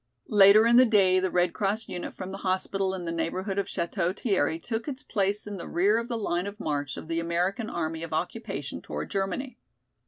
Later in the day, the Red Cross unit from the hospital in the neighborhood of Château Thierry took its place in the rear of the line of march of the American Army of Occupation toward Germany.